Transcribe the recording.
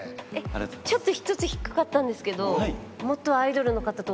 ちょっと１つ引っかかったんですけどはい